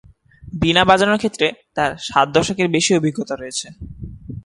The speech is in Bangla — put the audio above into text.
বীণা বাজানোর ক্ষেত্রে তাঁর সাত দশকের বেশি অভিজ্ঞতা রয়েছে।